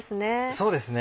そうですね。